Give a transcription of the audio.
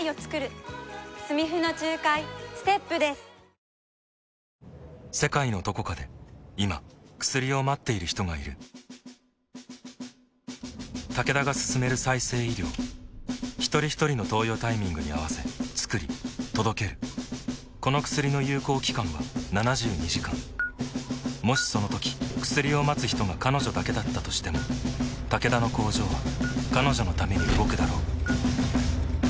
菌の隠れ家を除去できる新「アタックＺＥＲＯ」世界のどこかで今薬を待っている人がいるタケダが進める再生医療ひとりひとりの投与タイミングに合わせつくり届けるこの薬の有効期間は７２時間もしそのとき薬を待つ人が彼女だけだったとしてもタケダの工場は彼女のために動くだろう